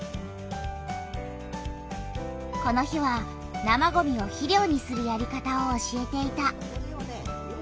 この日は生ごみを肥料にするやり方を教えていた。